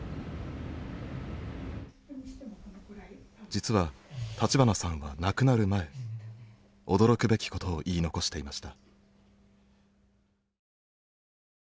実は立花さんは亡くなる前驚くべきことを言い残していました。